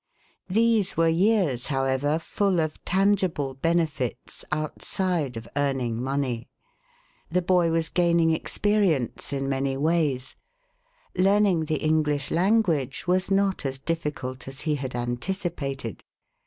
These were years, however, full of tangible benefits outside of earning money. The boy was gaining experi ence in many ways. Learning the English languag'3 was not as difficult as he had anticipated.